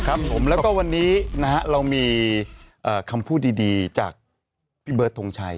ครับผมแล้วก็วันนี้นะฮะเรามีคำพูดดีจากพี่เบิร์ดทงชัย